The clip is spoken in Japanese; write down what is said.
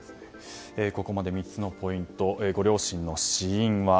ここまで３つのポイントご両親の死因は。